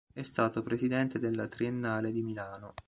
È stato presidente della Triennale di Milano.